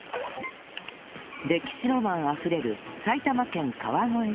歴史ロマンあふれる埼玉県川越市で